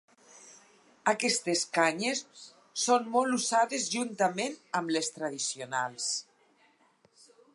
Aquestes canyes són molt usades juntament amb les tradicionals.